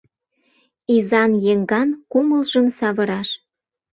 Изан-еҥган кумылжым савыраш: